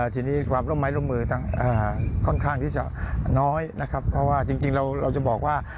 ทีนี้ความร่วมไม้ร่วมมือค่อนข้างที่จะน้อยนะครับเพราะว่าจริงเราจะบอกว่า